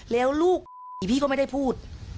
แล้วลูกไอ้พี่ก็ไม่ได้พูด